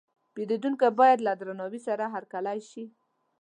پیرودونکی باید له درناوي سره هرکلی شي.